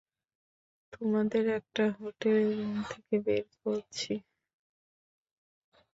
তোমাদের একটা হোটেলের রুম থেকে বের করছি।